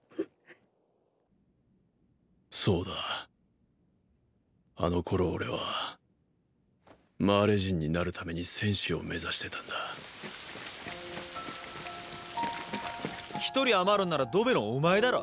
そうだあの頃俺はマーレ人になるために戦士を目指してたんだ一人余るんならドベのお前だろ？